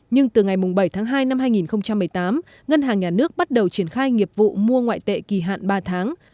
nhưng từ ngày bảy tháng hai năm hai nghìn một mươi tám ngân hàng nhà nước bắt đầu triển khai nghiệp vụ mua ngoại tệ kỳ hạn ba tháng